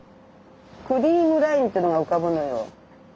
クリームラインっていうのが浮かぶのよ。